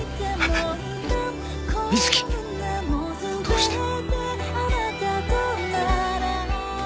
どうして。